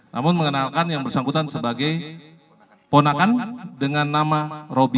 namun mengenalkan yang bersangkutan sebagai ponakan dengan nama robby